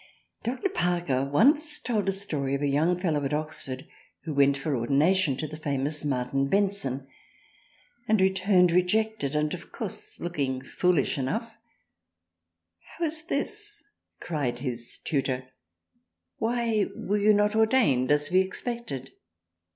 Dr. Parker once told a story of a young Fellow at Oxford who went for Ordination to the famous Martin Benson, and returned rejected and of course looking foolish enough, how is this cried his Tutor, why were you not ordained as we expected